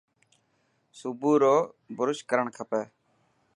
صبح رو برش ڪرڻ کپي